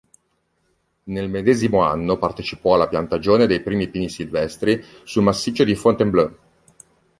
Nel medesimo anno partecipò alla piantagione dei primi Pini silvestri sul massiccio di Fontainebleau.